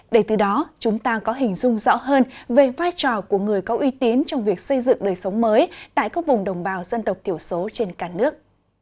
để từ đó chúng ta có hình dung rõ hơn về vai trò của người có uy tín trong việc xây dựng đời sống mới tại các vùng đồng bào dân tộc thiểu số trên cả nước